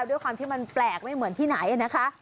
ด้วยความที่มันแปลกไม่เหมือนที่ไหนนะคะ